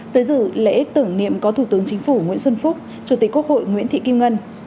tới dự lễ tưởng niệm có thủ tướng chính phủ nguyễn xuân phúc chủ tịch quốc hội nguyễn thị kim ngân